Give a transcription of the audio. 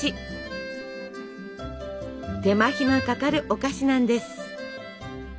手間暇かかるお菓子なんです。